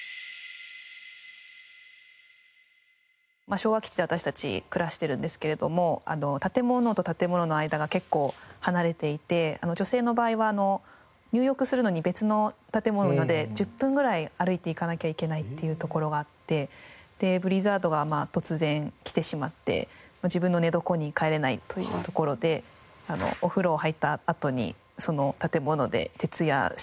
昭和基地で私たち暮らしてるんですけれども建物と建物の間が結構離れていて女性の場合は入浴するのに別の建物まで１０分ぐらい歩いていかなきゃいけないっていうところがあってブリザードが突然来てしまって自分の寝床に帰れないというところでお風呂入ったあとにその建物で徹夜したっていうのは。